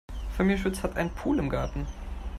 Familie Schütz hat einen Pool im Garten.